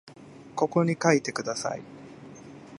ここに書いてください